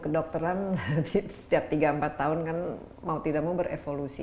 kedokteran setiap tiga empat tahun kan mau tidak mau berevolusi